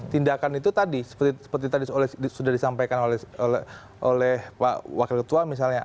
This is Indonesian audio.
tindakan itu tadi seperti tadi sudah disampaikan oleh pak wakil ketua misalnya